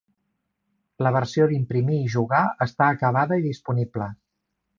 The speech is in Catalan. La versió d'imprimir i jugar està acabada i disponible.